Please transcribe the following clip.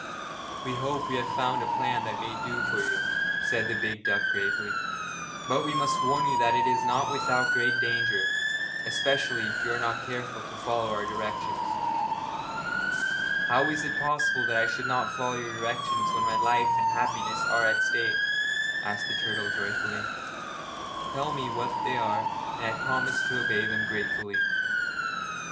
'We hope we have found a plan that may do for you,' said the big duck gravely, 'but we must warn you that it is not without great danger, especially if you are not careful to follow our directions.' 'How is it possible that I should not follow your directions when my life and happiness are at stake?' asked the turtle joyfully. 'Tell me what they are, and I will promise to obey them gratefully.'